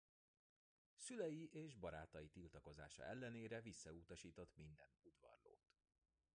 Szülei és barátai tiltakozása ellenére visszautasított minden udvarlót.